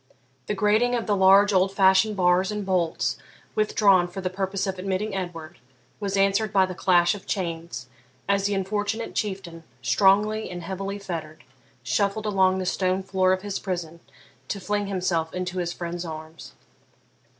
The grating of the large old fashioned bars and bolts, withdrawn for the purpose of admitting Edward, was answered by the clash of chains, as the unfortunate Chieftain, strongly and heavily fettered, shuffled along the stone floor of his prison to fling himself into his friend's arms.